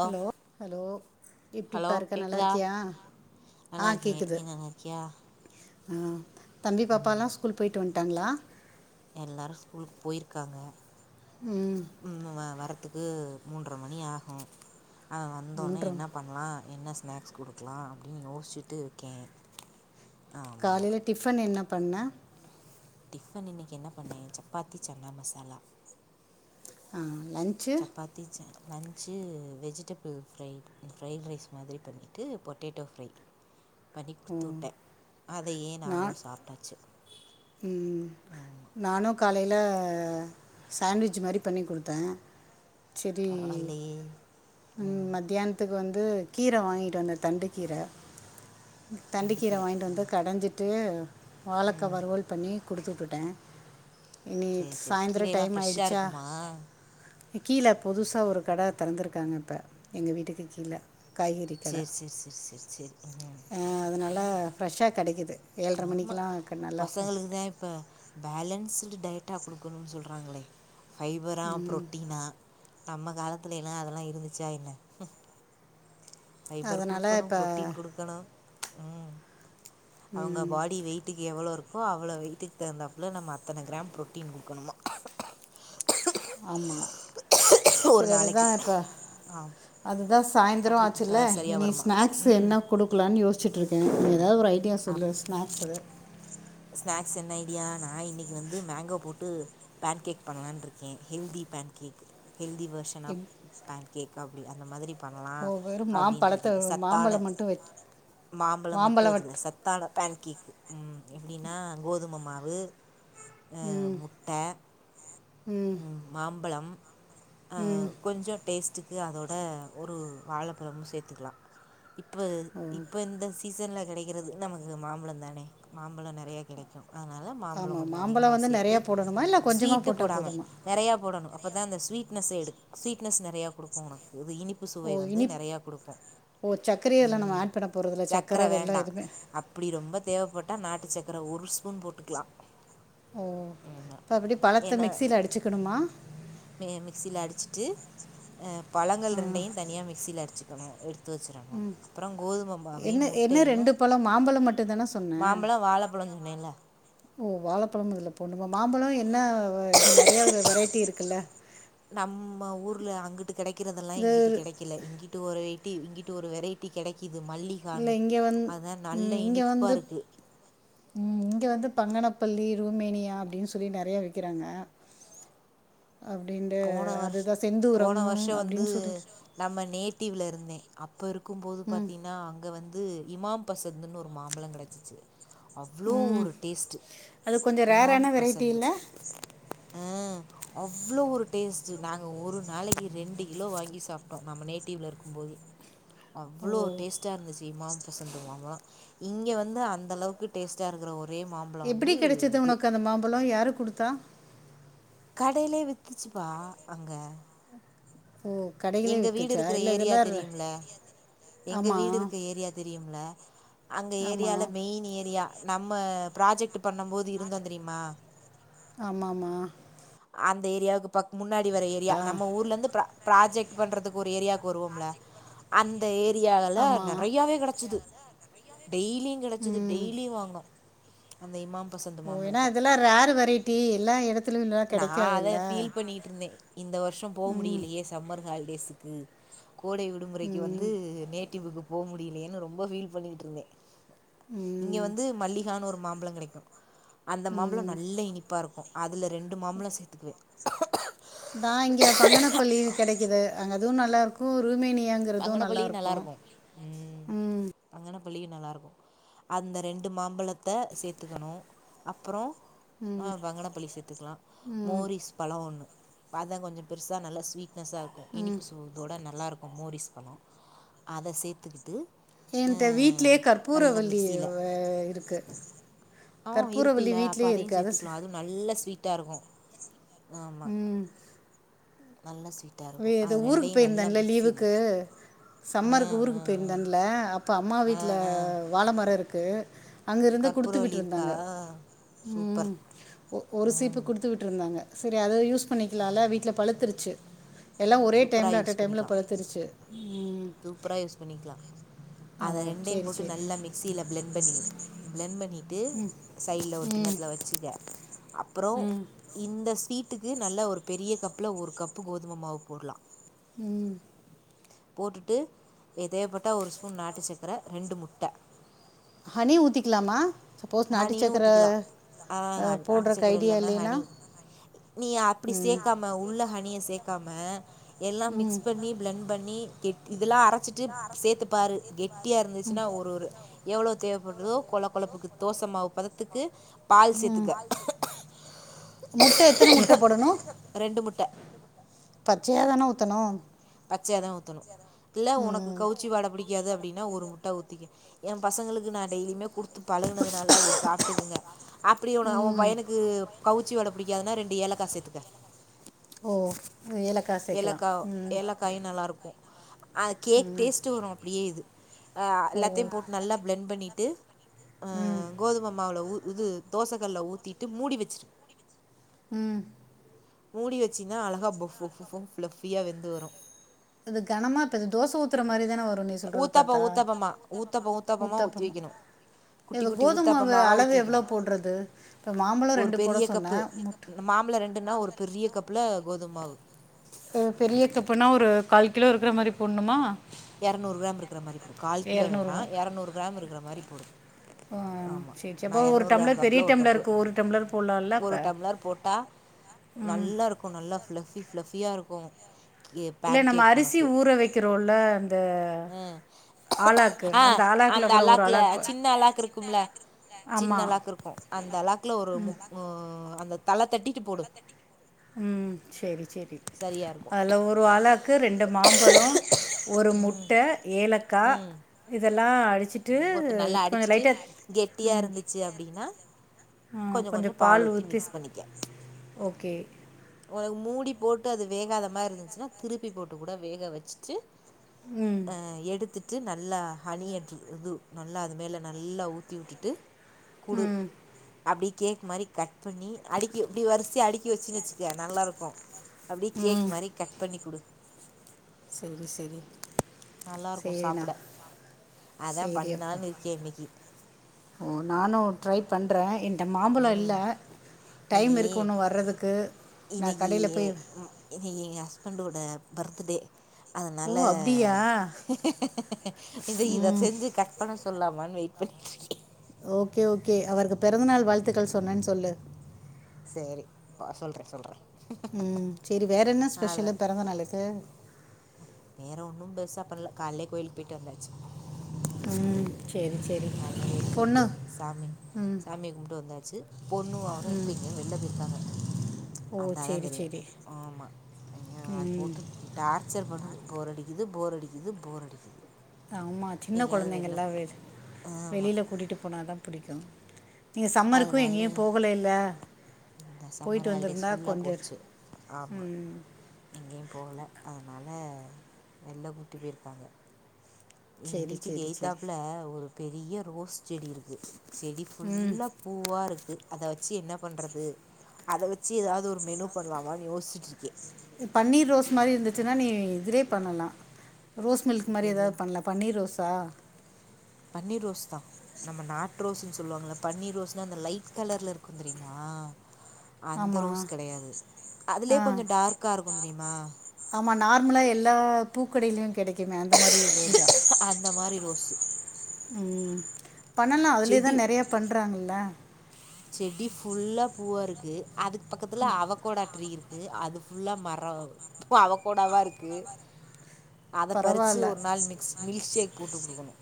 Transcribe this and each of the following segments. Hello hello எப்டிப்பாருக்க நல்லாருக்கியா நல்லாருக்கே நீ நல்லாருக்கியா ஆ தம்பி பாப்பாலா ஸ்கூல் போய்ட்டு வன்ட்டாங்ளா எல்லாரு ஸ்கூலுக்கு போயிருக்காங்க ம் ம் வ வர த்துக்கு மூன்ர மணி ஆகு அவ வந்தோன்னே மூன்றம் என்ன பண்லா என்ன ஸ்நக்ஸ் குடுக்லா அப்டினு யோஸ்ச்சுட்டு இருக்கே காலைல டிஃபன் என்ன பண்ண டிஃபன் இன்னைக்கி என்ன பண்ணே சப்பாத்தி சன்னா மசாலா ஆ லன்ச்சு சப்பாத்தி ச lunch vegetable fried fried rice மாதிரி பண்ணிட்டு பொட்டேட்டோ ஃப்ரை பண்ணி ஓ குடுத்து உட்ட அதயே நாங்ளு நான் சாப்ட்டாச்சு ம் நானு காலல சாண்ட்விச் மாரி பண்ணி குடுத்தே சேரி பரவாயில்லையே ம் மத்தியானத்துக்கு வந் து கீர வாங்கிட்டு வந்தே தண்டு கீர தண்டுக்கீர வாங்கிட்டு தண்டிக்கீரை வந்து கடஞ்சிட்டு வாழக்கா வறுவல் பண்ணி குடுத்து உட்டுட்ட இனி சேரி சேரி சாய்ந்ரோ கீரையெல்லாம் டைம் ஃப்ரெஷ்ஷா ஆயிடுச்சா இருக்குமா கீழ புதுசா ஒரு கட தெறந்துருக்காங்க இப்ப எங்க வீட்டுக்கு கீழ சேர் சேர் சேர் சேர் சேரி அ அதனால ஃப்ரெஷ்ஷா கெடைக்கிது ஆமா பசங்களுக்குதே இப்ப பேலன்ஸ் டயட்டா குடுக்கணுன் சொல்றாங்களே பைபரா புரோட்டீனா நம்ம காலத்துல எல்லா அதுலா இருந்துச்சா என்ன பைபர் அதனால் குடுக்கணு இப்போ ப்ரோட்டீன் குடுக்கணு ம் அவங்க பாடி வெயிட்டுக்கு எவ்வளோ இருக் கோ அவ்ளோ வெய்ட்டுக்கு தகுந்தாப்ல நம்ம அத்தன க்ரம் ப்ரோட்டீன் குடுக்கணுமா ஆமா ஒரு செரிதா நாளைக்கு இப்ப ஆ அதுதா சாய்ந்தரோ அப்டி குடுத்தா ஆச்சுல்ல தா சரியா இனி வருமா ஸ்நக்ஸ் ம் என்ன குடுக்கலான் யோஸ்ச்சிட்டு இருக்க எதாவது ஒரு ஐடியா சொல்லு ஸ்நக்சு ஸ்நக்ஸ் என்ன ஐடியா நா இன்னிக்கி வந்து மேங்கோ போட்டு பேன் கேக் பண்ணலான் இருக்கே healthy pancake cake healthy version of pancake அப்டி அந்த மாதிரி பண்ணலா ஓ வெறும் மாம்பழத்தை அப்டின்ருக்கே சத்தான மாம்பழம் மட்டும் வச் மாம்பழம் மட்டு வச்சுல சத்தான பேன் கேக்கு ம் எப்டின்னா கோதும மாவு அ ம் முட்ட ம் மாம்பழம் அ ம் கொஞ்சோ டேஸ்டுக்கு அதோட ஒரு வாழப்பழமு சேத்துக்கலா இப்ப ஓ இப்ப இந்த சீசன்ல கெடைக்கிறது நமக்கு மாம்பழம் தானே மாம்பழோ நெறையா கெடைக்கு அதனால மாம்பழோ ஆமாம் கொஞ்சோ மாம்பழம் அதிகமாக வந்து சேத்து நிறையா போடணுமா இல்லை கொஞ்சமாக ஸ்வீட்டு போட்டால் போடாம போதுமா நெறையா போடணு அப்ப தா அந்த ஸ்வீட்னஸ்ஸ எடுக்கு ஸ்வீட்னஸ் நெறையா குடுக்கு உனக்கு இது இனிப்பு சுவை ஓ வந்து இனிப் நெறையா குடுக்கு ஓ சர்க்கரையும் இதில் நம்ம ம் ஆட் பண்ண போகிறதில்ல சக்கர சர்க்கரை வெல்லம் வேண்டா எதுவுமே அப்டி ரொம்பா தேவப்பட் ட்டா நாட்டு சக்கர ஒரு ஸ்பூன் போட்டுக்கலா ஓ இப்ப எப்படி பழத்த மிக்சியில அடிச்சுக்கணுமா அ பழங்கள் ஆ ரெண்டையு தனியா மிக்சில அடிச்சுக்கணு எடுத் ம் என்ன என்ன ரெண்டு பழம் மாம்பழம் மட்டுதான சொன்ன மாம்பழோ வாழப்பழோ சொன்னேல ஓ வாழப்பழம் இதுல போண்ணுமா மாம்பழோ என்ன இது நெறைய ஒரு வெரைட்டி இருக்குல்ல நம்ம ஊரில் அங்கிட்டு இங்கிட்டு கெடைக்கிறதெல்லா இது இங்கிட்டு கெடைக்கல எங்கிட்டு ஒருட்டி இங்குட்டு ஒரு வெரைட்டி கெடைக்க இல்ல இங்க வந் நல்ல ம் இங்க வந்து இனிப்பாக இருக்குது ம் இங்க வந்து பங்கனப்பள்ளி ரூமேனியா அப்டின் சொல்லி நெறையா விக்கிறாங்க அப்டின்டு போன வருஷ் அதுதா போன செந்தூரம் வருஷம் வந்து அப்டின் [unintelligible] இப்ப இருக்கும்போது பாத்தீனா அங்க வந்து இமாம் பசந்தன்னு ஒரு மாம்பழோ கடச்சிச்சு அவ்ளோ ம். ஒரு டேஸ்ட்டு அது கொஞ்சம் இமாம் ரேரான வெரைட்டி பசந்து இல்ல? ஆ அவ்வளோ ஒரு டேஸ்ட்டு நாங்க ஒரு நாளைக்கு ரெண்டு கிலோ வாங்கி சாப்டோம் நம்ம நேட்டிவ்ல இருக்கும்போது ஓ! அவ்ளோ டேஸ்ட்டா இருந்துசு இமாம் பசந்து மாம்பழம் இங்க வந்து அந்த அளவுக்கு டேஸ்ட்டாக இருக்கிற ஒரு எப்படி கிடச்சது உனக்கு அந்த மாம்பழம் யாரு குடுத்தா கடைலே வித்துச்சுப்பா அங்க ஓ! கடையிலே எங்க வீடு வித்துச்சா? இருக்கற இல்ல ஏரியா இதெல்லாம் ர தெரியும்ல எங்க ஆமா. வீடு இருக்க ஏரியா தெரியும்ல அங்க ஆமா. ஏரியால மெயின் ஏரியா நம்ம பிராஜெக்ட் பண்ணும் போது இருந்தோம் தெரியுமா ஆமாம்மா அந்த ஏரியாவுக்கு பக்கம் முன்னாடி வர ஏரியா ஆ. நம்ம ஊர்ல இருந்து ப்ராஜெக்ட் பண்றதுக்கு ஒரு ஏரியாவுக்கு வருவோம்ல அந்த ஏரிய யால ஆமா. நிறையாவே கிடச்சுது டெய்லியும் கிடச்சுது ம். டெய்லியும் வாங்கனோம் அந்த இமாம் பசந்த் ஓ ஏன்னா மாம்பழத்த இதெல்லாம் ரேர் வெரைட்டி எல்லாம் இடத்துலயும் நான் அதை கிடைக்காதுல்ல. பீல் பண்ணிட்டு இருந்தேன் இந்த வருஷம் போக ம். முடியலயே சம்மர் ஹாலிடேசுக்கு கோடை விடுமுறைக்கு வந்து ம். நேட்டிவுக்கு போக முடியலயன்னு ரொம்ப பீல் பண்ணிட்டு இருந்தேன் இங்க ம் வந்து மல்லிகான்னு ஒரு மாம்பழம் கெடைக்கும் அந்த மாம்பழ ம் நல்ல இனிப்பா இருக்கு அதுல ரெண்டு மாம்பழ சேத்துக்குவ தா இங்க பங்கனபள்ளி கிடைக்குது அங்க அதுவும் நல்லா இருக்கு ரூமேனி பங்கன பள்ளி நல்லா இருக்கு ம் பங்கன பள்ளியு நல்லாருக்கு அந்த ரெண்டு மாம்பழத்த சேத்துக்கணு அப்பற ஆ ம் பங்கனபள்ளி சேத்துக்கலா ம் மோரிஸ் பழ ஒண்ணு பத கொஞ்ச பெருசா நல்லா சுவீட்னசா இருக்கு ம் இனிப்பு சுவ தோட நல்லா இருக்கு மோரிஸ் பண்ணோ அத சேத்துக்கிட்டு என்ட வீட்லயே கற்பூர வல்லி மிக்ஸியில் இருக்கு ஆ கற்பூரவள்ளி இருக்குல்ல அப்ப வீட்லயே அதயு இருக்கு அத ஸ் சேத்துக்கலா அதுவு நல்ல சுவீட்டா இருக்கு ம் நல்ல சு இது ஊருக்கு போயிருந்தேன்ல லீவுக்கு ஆ சம்மருக்கு ஊருக்கு ஆ போயிருந்தேன்ல அப்ப இப்ப அம்மா ஆ வீட்ல ஆ ஆ வாழ மர இருக்கு அங்கிருந்து குடுத்து கற்பூரவள்ளி இருக்கா விட்ருந்தாங்க சூப்பர் ம் ஒரு சீப்பூ ம் குடுத்து விட்ருந்தாங்க சரி அத யூஸ் பண்ணிக்கலால வீட்ல பழுத்துருச்சி எல்லா ஒரே சூப்பரா டைம்ல அட்ட யூஸ் டைம்ல பண்ணிக்கலா பழுத்துருச்சி சூப்பரா யூஸ் பண்ணிக்கலா ஆ அத ஓ ரெண்டையு சரி போட்டு சரி நல்லா மிக்சியில பிளண்ட் பன்னிரு பிளண்ட் பன்னி டு சைட்ல ஒரு ம் கிண்ணத்துல வச்சிக்க அப்பற ம் இந்த சுவீட் ட்டுக்கு நல்ல ஒரு பெரிய கப்ல ஒரு கப்பு கோதும மாவு போடலா ம் போட்டுட்டு தேவப்பட்டா ஒரு ஸ்பூன் நாட்டு சக்கர ரெண்டு முட்ட ஹனி ஊத்திக்கலாமா சப்போஸ் நாட்டு ஹனியு சக்கர ஊத்திக்கலா ஆனால் போடுறக்கு அடிச்சுக்கிற ஐடியா இல்லைன்னா இல்லின்னா ஹனி நீ அப்டி சேக்காம உள்ள ஹனிய சேக்கா ம்ம எல்லா ம் மிக்ஸ் பண்ணி பிளண்ட் பண்ணி கெட் இதெல்லா அரச்சிட்டு சேத்துப்பாரு கெட்டிய இருந்துச்சுனா ஒரு -ஒரு எவ்ளோ தேவப்படுதோ கொல கொலப்புக்கு தோச மாவு பதத்துக்கு பால் சேத்துக்க முட்ட எத்தன முட்ட போடணு ரெண்டு முட்ட பச்சயா தான ஊத்தணு பச்சயாதா ஊத்தணு இல்ல ஒனக்கு ம் கவுச்சு வாட பிடிக்காது அப்டின்னா ஒரு முட்ட ஊத்திக்க எ பசங்களுக்கு நா டெய்லியுமே குடுத்துப் பழகுனதுனால அது சாப்டுதுங்க அப்டி உன அவ ம் பையனுக்கு கவுச்சி வாட பிடிக்காதுனா ரெண்டு ஏலக்கா சேத்துக்க ஓ ஏலக்கா சேர்க்கலா ஏலக்கா ம் ஏலக்காயு நல்லாருக்கு அ கேக் ம் டேஸ்ட் வரு அப்டியே இது ஓ எல்லாத்தையு போட்டு நல்லா பிளண்ட் பண்ணிட்டு அ ம் கோதுமை மாவுல ஊ இது தோசைகல்ல ஊத்திட்டு மூடி வச்சிடு ம் மூடி வெச்சீனா அழகா பஃப் பஃப் ஃபிளபியா வெந்து வரு அது கனமா தோசை ஊத்துற மாரி தானே வரு நீ சொல்றத ஊத்தாப்பம் பாத்தா ஊத்தப்ப ய்யணு குட்டி குட்டி ஊத்தாப்பமா அளவு ஊத்திவிக்கணு எவ்வளோ போடுறது இப்போ மாம்பழம் ஒரு ரெண்டு போட பெரிய கப்பு சொன்னேன் முட்டை மா காம்புல ரெண்டுன்னா ஒரு பெரிய கப்புல கோதும் மாவு பெரிய கப்பனா ஒரு கால் கிலோ இருக்கிற மாதிரி போட்ணுமா எரநூறு கிராம் இருக்கிற மாரி போடு கால் கிலோ வேண்டா இரநூறுவா எரநூறு கிராம் இருக்கிற மாரி போடு ஆமா சரி சரி நா அப்போ ஒரு எரநூறு கிராம் டம்ளர் பெரிய கப்புல ஒரு கப்பு டம்ளருக்கு ஒரு டம்ளர் போடலாம்ல ஒரு அப்போ டம்ளர் போட்டா ம் நல்லா இருக்கு நல்லா ஃபிளபி ஃபிளபியா இருக்கு இல்ல பேன் நம்ம கேக் அரிசி உனக்கு ஊற வைக்கிறோல்ல ம் ஆலாக்கு ஆ ஆலாக்குல அந்த கூட ஒரு அலாக்ல ஆலாக்கு சின்ன அலாக் இருக்கும்ல ஆமா சின்ன அலாக்கு இருக்கு அந்த அலாக்ல ஒரு முக் உ அந்த தல தட்டிட்டு போடு ம் சரி சரி சரியா இருக்கு அதுல ஒரு ஆளாக்கு ரெண்டு மாம்பழம் ஒரு முட்டை ஏலக்காய் ம் இதெல்லா அடி அடிச்சிட்டு போட்டு நல்லா கொஞ்சம் அடிச்சிட்டு லைட்டா கொஞ்சம் கொஞ்சம் பால் ஊத்தி மிக்ஸ் பண்ணிக்க ஓகே உனக்கு மூடி போட்டு அது வேகாத மாதிரி இருந்துச்சினா திருப்பி போட்டு கூட வேக வச்சுட்டு ம் ஆ எடுத்துட்டு நல்லா ஹனி எடு து நல்லா அது மேல நல்லா ஊத்தி உட்டுட்டு குடு ம் அப்படி கேக் மாரி கட் பண்ணி அடுக்க இப்படி வரிசையை அடுக்கி வச்சுனுச்சு நல்லா இருக்கும் அப்படியே கேக் மாரி கட் பண்ணி் குடு சரி சரி நல்லா இருக்கும் சாப்ட சரி அப்பா ஓ நானும் ட்ரை பண்றே இந்த மாம்பழம் இல்ல நீ நான் இன்னைக்கு கடையில் போய் இன்னைக்கு இன்னைக்கு எங்க ஹஸ்பண்டோட பர்த்டே ஓ அதனால அப்படியா இந்த இதை ம் செஞ்சு கட் பண்ண சொல்லாமா வெயிட் ப [unintelligible] ஓகே ஓகே அவருக்கு பிறந்தநாள் வாழ்த்துக்கள் சொன்னேன்னு சொல்லு சரி சொல்றே சொல்றே ம் சரி வேற என்ன அத ஸ்பெஷல்ல பிறந்த நாளக்கு வேற ஒண்ணும் பெருசா பண்ல காலே கோவில்க்கு போயிட்டு வந்தாச்சு ம் சரி ம் சரி காலயில கோயிலு போயிட்டு பொண்ணு சாமி ம் சாமியை கும்ட்டு வந்தாச்சு பொண்ணு அவறம் ம் இப்ப இங்க வெளில போய் இருக்காங்க ஓ வந்தா தான் சரி தெரியும் சரி ஆமா ஐயோ அது ம் போட்டு டார்ச்சர் பண்ணுது போர் அடிக்குது து போர் அடிக்குது போர் அடிக்குது அமா சின்ன எங்கேயாவது வெளில குழந்தைங்கலா கூட்டு போ ஆமா வெளியில கூட்டிட்டு போனாதான் புடிக்கு நீங்கள் சம்மருக்கும் அதனால எங்கேயும் போகலை ல இந்த சம்மர் ஹாலிடேஸ் ஃபுல்லா இரு. போச்சு ஆமா ம் எங்கேயும் போகல அதனால வெள கூட்டி போயிருக்காங்க எங்க சரி வீட்டுக்கு சரி சரி எயத்தாப்புல ஒரு பெரிய ரோஸ் செடி இருக்கு செடி ம் ஃபுல்லா பூவா இருக்கு அத வச்சு அத வச்சி என்ன பண்றது அதை வச்சு ஏதாவது ஒரு மெனு பண்லாமா யோசிட்டு இருக்கே பன்னீர் ரோஸ் மாரி இருந்துச்சுன்னா நீ இதுலே பண்ணலா ரோஸ் மில்க் மாரி எது? ஏதாவது பண்லா பன்னீர் ரோஸா பன்னீர் ரோஸ் தான் நம்ம நாட் ரோஸ்னு சொல்லுவாங்கள பன்னீர் ரோஸ்னா அந்த லைட் கலர்ல இருக்கும் தெரியுமா அந்த ஆமாம் ரோஸ் கடையாது ஆ ஆமா நார்மலா எல்லா பூக்கடையிலயும் கெடைக்கிமே அந்த மாரி ரோஜா அந்த மாரி ரோஸு. ம் பண்ணலா அதுலே செடி தான் நறைய பண்றாங்கள்ல செடி ஃபுல்லா பூவா இருக்கு அதுக்கு பக்கத்துல அவக்கோடாட்ரி இருக்கு அது ஃபுல்லா மரம் அவ கோடாவாருக்கு அத பறிச்சு பரவாயில்ல ஒரு நாள் மிக்ஸ் மில்க்ஷேக் போட்டு குடுக்கணு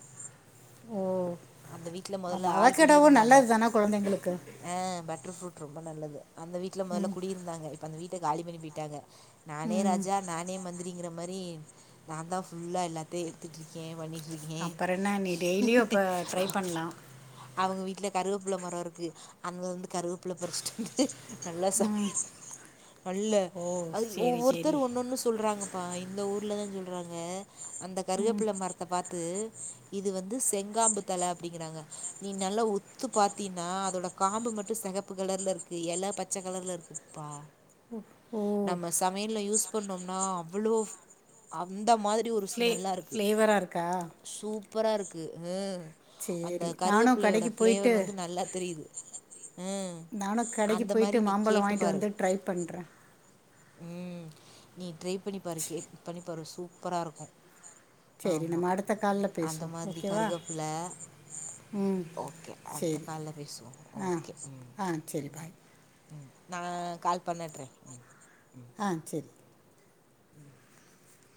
ஓ அந்த வீட்ல முதல்ல ஆமாம் ஆள் குடி அவக்கடாவும் இருந்தாங்க நல்லது தானே குழந்தைங்களுக்கு ஆ பட்டர்ஃப்ரூட் ரொம்ப நல்லது அந்த வீட்ல முதல்ல ம் குடி இருந்தாங்க இப்ப அந்த வீட்ட காலி பண்ணி போயிட்டாங்க நானே ம் ராஜா நானே மந்திரிங்கிற ம்மாதிரி நான் தான் ஃபுல்லா எல்லாத்தையும் எடுத்துட்ருக்கேன் வண்ணி அப்புறம் என்னா நீ டெய்லியும் இப்ப ட்ரை பண்லா அவங்க வீட்ல கருவேப்ள மரம் இருக்கு அங்க வந்து கருவேப்ள பறிச்சுட்டு வந்து நல்லா சமை ம் நல்ல ஓ அது சேரி ஒவ்வொருத்தர் சேரி ஒன்னொன்னு சொல்றாங்கப்பா இந்த ஊர் நல்லத சொல்றாங்க அந்த ம் கருகப்ள மரத்த பார்த்து இது வந்து செங்காம்புத் தல அப்டிங்கிறாங்க நீ நல்லா உத்து பாத்தீனா அதோட காம்பு மட்டு செகப்பு கலர்ல இருக்கு எல பச்ச கலர்ல இருக்குப்பா ஓ நம்ம சமையல்ல யூஸ் பண்ணம்னா அவளோ அந்த மாரி ஒரு ஃப்ளே ஸ்மெல்லா இருக்கு ஃப்ளேவரா இருக்கா சூப் சூப்பரா இருக்குகூ ம் அந்த சேரி நானு கருகப்லையோட கடைக்கு பிளேவர் போயிட்டு வந்து நல்லா தெரியுது ம். நானு கடைக்கு அந்த போய்ட்டு மாரி நீ மாம்பழ கேட்டு வாங்கிட்டு பாரு. வந்து ட்ரை பண்றே ம் நீ ட்ரை பண்ணி பாரு கேக் பண்ணிப்பாரு சூப்பராருக்கு சேரி ஆமா நம்ம அடுத்த கால்ல அந்த பேசுவோ மாதிரி ஓகேவா கருகப்பில ம் ஓகே அடுத்த சேரி கால்ல பேசுவோ ஆ ஓகே ம் ஆ சேரி பாய் ம் நா கால் பண்ணட்றே ஆ சரி ம்